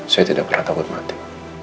saya tidak pernah takut mati